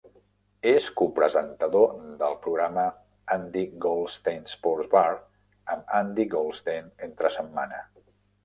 És copresentador del programa Andy Goldstein's Sports Bar amb Andy Goldstein entre setmana.